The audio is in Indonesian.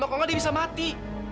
kalau nggak dia bisa mati